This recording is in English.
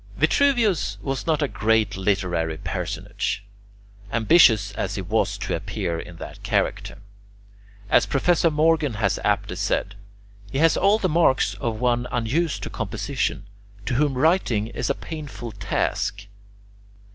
Vitruvius was not a great literary personage, ambitious as he was to appear in that character. As Professor Morgan has aptly said, "he has all the marks of one unused to composition, to whom writing is a painful task."